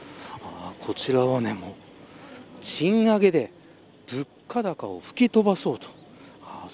こちらは賃上げで物価高を吹き飛ばそうと。